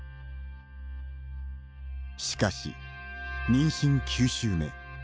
しかし、妊娠９週目。